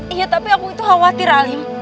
iya tapi aku itu khawatir alim